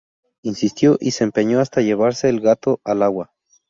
Insistió y se empeñó hasta llevarse el gato al agua